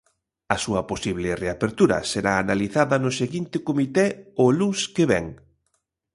A súa posible reapertura será analizada no seguinte comité, o luns que vén.